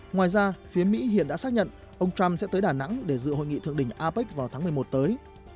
ngoài ra phía mỹ hiện đã xác nhận ông trump sẽ tới đà nẵng để dự hội nghị thượng đỉnh apec vào tháng một mươi một tới